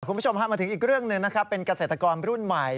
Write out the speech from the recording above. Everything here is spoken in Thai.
คุณผู้ชมพามาถึงอีกเรื่องหนึ่งนะครับเป็นเกษตรกรรุ่นใหม่